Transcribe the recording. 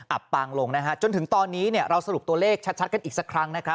ปางลงนะฮะจนถึงตอนนี้เราสรุปตัวเลขชัดกันอีกสักครั้งนะครับ